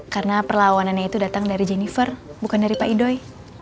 karena perlawanannya itu datang dari jennifer bukan dari pak idoi